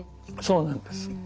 そうなんです。